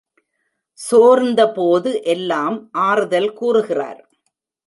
சோர்ந்தபோது எல்லாம் ஆறுதல் கூறுகிறார்.